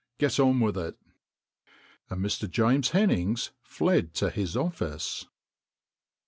Get on with it." And Mr. James Hennings fled to his office.